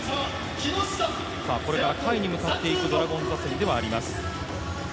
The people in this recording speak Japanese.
これから下位に向かっていくドラゴンズ打線ではあります。